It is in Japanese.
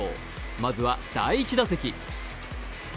まずは、第１打席。